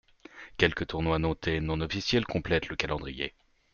Quelques tournois notés non officiels complètent le calendrier.